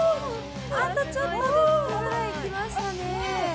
あとちょっとでつくぐらいきましたね。